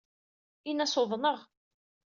Ini-as uḍneɣ.